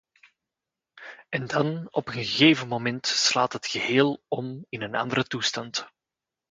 En dan, op een gegeven moment, slaat het geheel om in een andere toestand.